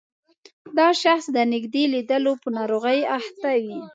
دا شخص د نږدې لیدلو په ناروغۍ اخته وي.